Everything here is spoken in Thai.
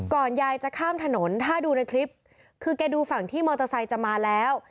ยายจะข้ามถนนถ้าดูในคลิปคือแกดูฝั่งที่มอเตอร์ไซค์จะมาแล้ว